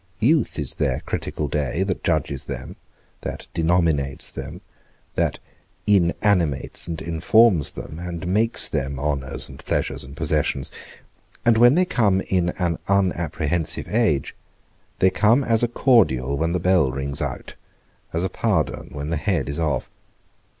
Youth is their critical day, that judges them, that denominates them, that inanimates and informs them, and makes them honours, and pleasures, and possessions; and when they come in an unapprehensive age, they come as a cordial when the bell rings out, as a pardon when the head is off.